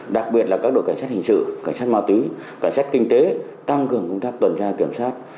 đặc biệt là các đội cảnh sát hình sự cảnh sát ma túy cảnh sát kinh tế tăng cường công tác tuần tra kiểm soát